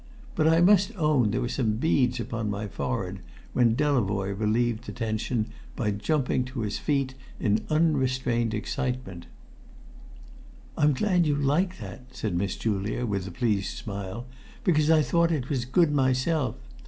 But I must own there were some beads upon my forehead when Delavoye relieved the tension by jumping to his feet in unrestrained excitement. "I'm glad you like that," said Miss Julia, with a pleased smile, "because I thought it was good myself.